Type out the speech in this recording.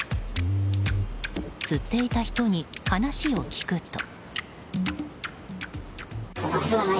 吸っていた人に話を聞くと。